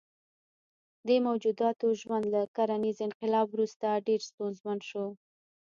دې موجوداتو ژوند له کرنیز انقلاب وروسته ډېر ستونزمن شو.